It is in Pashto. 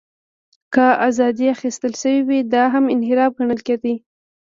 که ازادۍ اخیستل شوې وې، دا هم انحراف ګڼل کېده.